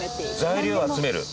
材料を集める？